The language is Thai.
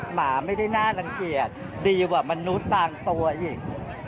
หมาไม่ได้น่ารังเกียจดีกว่ามนุษย์บางตัวอีก